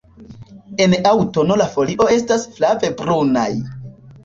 En aŭtuno la folio estas flave brunaj.